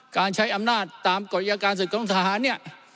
การใช้อำนาจตามกฎิการศึกของทหารเนี่ย